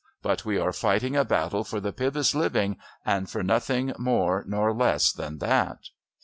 But we are fighting a battle for the Pybus living and for nothing more nor less than that.